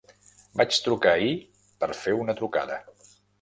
Vaig trucar ahir per fer una trucada.